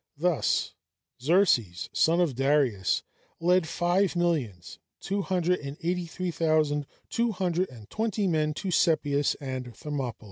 Thus Xerxes, son of Darius, led five millions two hundred and eighty three thousand two hundred and twenty men to Sepias and Thermopylæ!